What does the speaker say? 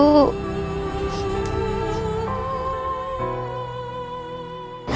tolong selamatkan aku